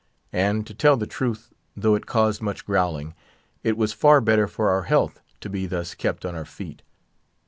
And, to tell the truth, though it caused much growling, it was far better for our health to be thus kept on our feet.